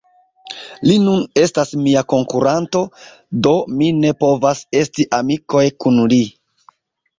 Li nun estas mia konkuranto... do mi ne povas esti amikoj kun li